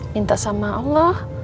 minta sama allah